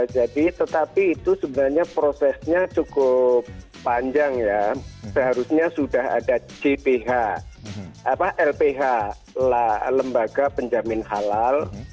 jadi tetapi itu sebenarnya prosesnya cukup panjang ya seharusnya sudah ada lph lembaga penjamin halal